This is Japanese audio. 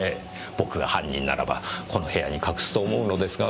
僕が犯人ならばこの部屋に隠すと思うのですがねぇ。